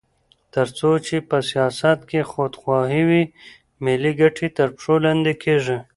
تر څو چې په سیاست کې خودخواهي وي، ملي ګټې تر پښو لاندې کېږي.